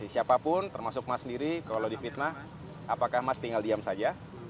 siapapun termasuk mas sendiri kalau difitnah apakah mas tinggal diam saja